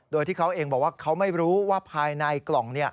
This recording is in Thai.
โดยที่เขาเองบอกว่าเขาไม่รู้ว่าภายในกล่อง